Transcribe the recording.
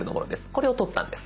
これを撮ったんです。